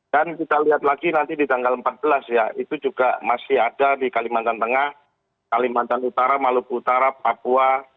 dan kita lihat lagi nanti di tanggal empat belas ya itu juga masih ada di kalimantan tengah kalimantan utara maluku utara papua